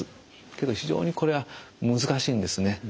けど非常にこれは難しいんですね。